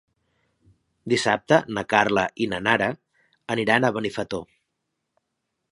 Dissabte na Carla i na Nara aniran a Benifato.